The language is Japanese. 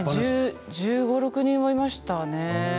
１５、１６人はいましたね。